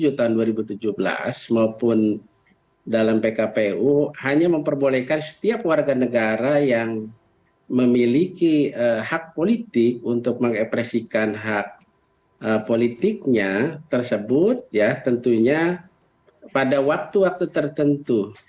tujuh tahun dua ribu tujuh belas maupun dalam pkpu hanya memperbolehkan setiap warga negara yang memiliki hak politik untuk mengepresikan hak politiknya tersebut ya tentunya pada waktu waktu tertentu